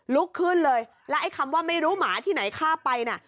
ลุกขึ้นเลยแล้วไอ้คำว่าไม่รู้หมาที่ไหนฆ่าไปน่ะ